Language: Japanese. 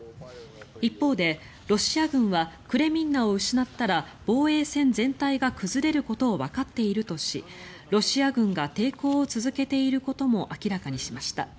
一方で、ロシア軍はクレミンナを失ったら防衛線全体が崩れることをわかっているとしロシア軍が抵抗を続けていることも明らかにしました。